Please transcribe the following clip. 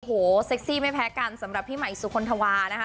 หัวววววแซ็กซี่ไม่แพ้กันสำหรับผู้ใหม่จะคนทวานะคะ